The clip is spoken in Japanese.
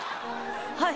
はい。